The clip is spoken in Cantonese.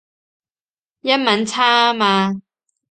英文差吖嘛